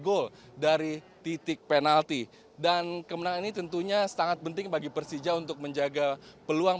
gol dari titik penalti dan kemenangan ini tentunya sangat penting bagi persija untuk menjaga peluang